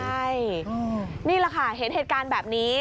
ใช่นี่แหละค่ะเห็นเหตุการณ์แบบนี้